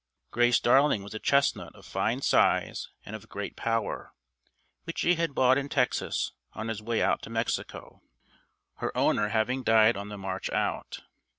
Grace Darling was a chestnut of fine size and of great power, which he had bought in Texas on his way out to Mexico, her owner having died on the march out.